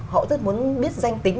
họ rất muốn biết danh tính